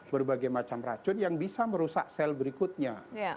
berbagai macam racun yang bisa merusak sel berikutnya